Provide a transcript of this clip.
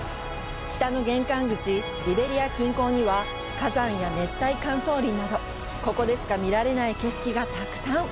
北の玄関口・リベリア近郊には、火山や熱帯乾燥林など、ここでしか見られない景色がたくさん！